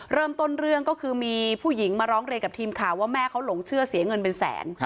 เริ่มต้นเรื่องก็คือมีผู้หญิงมาร้องเรียนกับทีมข่าวว่าแม่เขาหลงเชื่อเสียเงินเป็นแสน